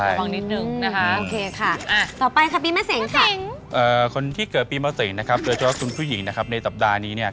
อ่าคนที่เกิดปีมาเสงนะครับหรือพี่หญิงนะครับในสัปดาห์นี้เนี่ย